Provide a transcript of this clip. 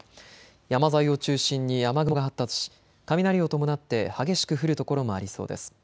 山沿いを中心に雨雲が発達し雷を伴って激しく降る所もありそうです。